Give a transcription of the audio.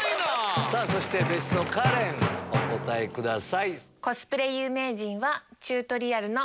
そして別室のカレンお答えください。